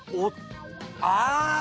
ああ！